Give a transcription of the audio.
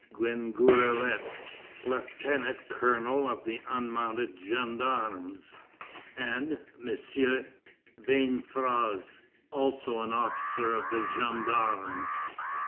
Guinguerlet, lieutenant colonel of the unmounted gendarmes, and M. de Vainfrais, also an officer of gendarmes.